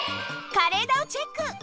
かれえだをチェック！